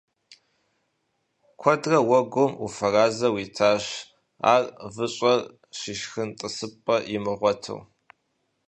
Куэдрэ уэгум уфэразэу итащ ар, выщӀэр щишхын тӀысыпӀэ имыгъуэту.